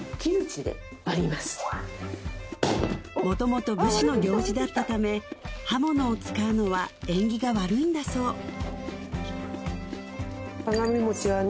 元々武士の行事だったため刃物を使うのは縁起が悪いんだそう鏡餅はね